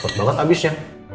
cepet banget abisnya